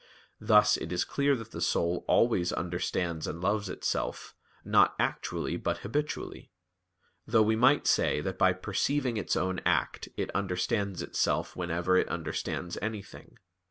Thus it is clear that the soul always understands and loves itself, not actually but habitually; though we might say that by perceiving its own act, it understands itself whenever it understands anything.